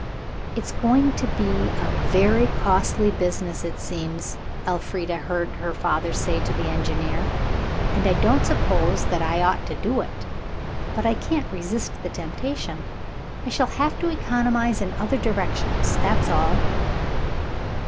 "It's going to be a very costly business, it seems," Elfrida heard her father say to the engineer, "and I don't know that I ought to do it. But I can't resist the temptation. I shall have to economize in other directions, that's all."